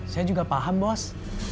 saya juga paham bos